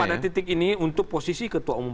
pada titik ini untuk posisi ketua umum